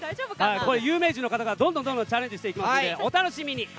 有名人の方がどんどんチャレンジしていきますので、お楽しみに。